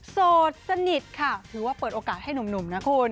โสดสนิทค่ะถือว่าเปิดโอกาสให้หนุ่มนะคุณ